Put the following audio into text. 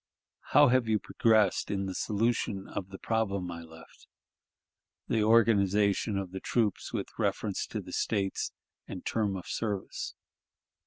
"... How have you progressed in the solution of the problem I left the organization of the troops with reference to the States, and term of service?